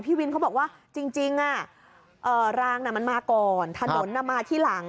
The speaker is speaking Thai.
พี่วินเขาบอกว่าจริงรางมันมาก่อนถนนมาที่หลัง